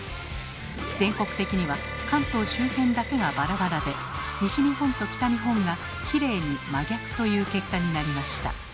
全国的には関東周辺だけがバラバラで西日本と北日本がきれいに真逆という結果になりました。